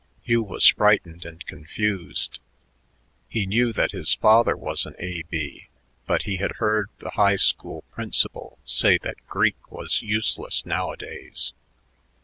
Hugh was frightened and confused. He knew that his father was an A.B., but he had heard the high school principal say that Greek was useless nowadays.